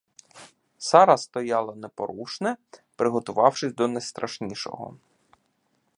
Сара стояла непорушне, приготувавшись до найстрашнішого.